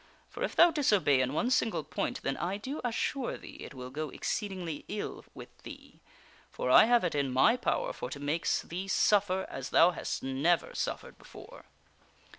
For if thou disobey in one single point, then I do assure thee it will go exceedingly ill with thee. For I have it in my power for to make thee suffer as thou hast never suffered before."